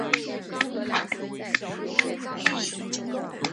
现在旧巴扎的文化遗产得到马其顿政府的保护。